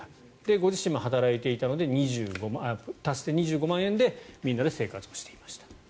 ご自身も働いていたので足して２５万円でみんなで生活をしていました。